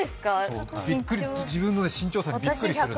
自分の身長差にびっくりするから。